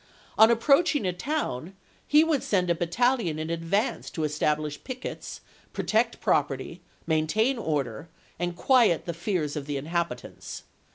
On approach ing a town he would send a battalion in advance to establish pickets, protect property, maintain order, and quiet the fears of the inhabitants.